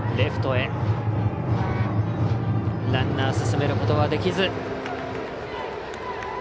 ランナー進めることはできず。